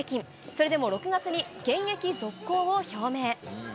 それでも６月に現役続行を表明。